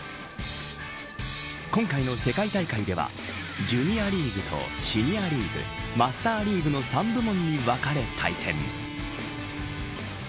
今回の世界大会ではジュニアリーグとシニアリーグマスターリーグの３部門に分かれ対戦。